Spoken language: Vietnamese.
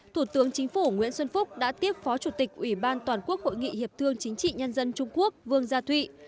thủ tướng chính phủ nguyễn xuân phúc đã tiếp phó chủ tịch ủy ban toàn quốc hội nghị hiệp thương chính trị nhân dân trung quốc vương gia thụy